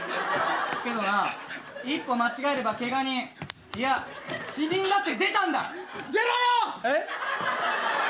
けど一歩間違えればけが人いや、死人だって出たんだ！